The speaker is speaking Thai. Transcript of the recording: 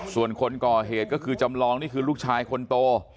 ส่วนคนก่อเหตุก็คือจำลองนี่คือลูกชายคนโต